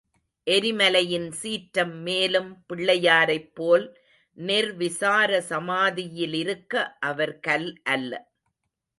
எரிமலையின் சீற்றம் மேலும் பிள்ளையாரைப் போல் நிர்விசார சமாதியிலிருக்க அவர் கல் அல்ல.